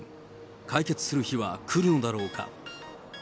解決する日は来るのだろうか。